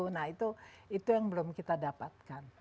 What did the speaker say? nah itu yang belum kita dapatkan